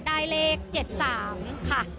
ได้เลข๗๓ค่ะ